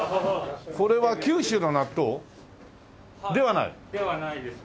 これは九州の納豆？ではない？ではないですね。